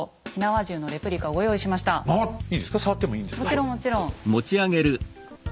もちろんもちろん。